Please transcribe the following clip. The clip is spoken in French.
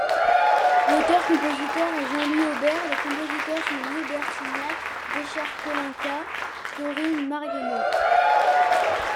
L'auteur-compositeur est Jean-Louis Aubert et les compositeurs sont Louis Bertignac, Richard Kolinka, Corine Marienneau.